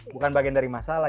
bukan bagian dari masalah